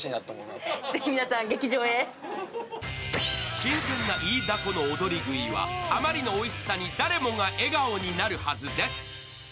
新鮮なイイダコの躍り食いはあまりのおいしさに誰もが笑顔になるはずです。